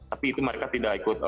tapi itu mereka tidak ikut